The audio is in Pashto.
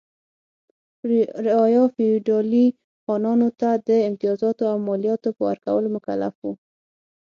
رعایا فیوډالي خانانو ته د امتیازاتو او مالیاتو په ورکولو مکلف و.